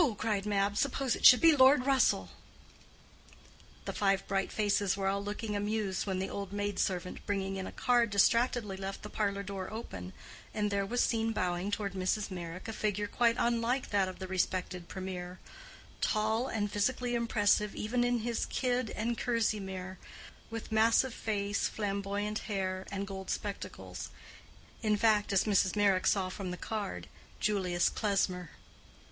cried Mab. "Suppose it should be Lord Russell!" The five bright faces were all looking amused when the old maid servant bringing in a card distractedly left the parlor door open, and there was seen bowing toward Mrs. Meyrick a figure quite unlike that of the respected Premier—tall and physically impressive even in his kid and kerseymere, with massive face, flamboyant hair, and gold spectacles: in fact, as Mrs. Meyrick saw from the card, Julius Klesmer.